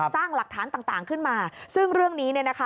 สร้างหลักฐานต่างขึ้นมาซึ่งเรื่องนี้เนี่ยนะคะ